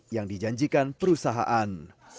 yang dijanjikan perusahaan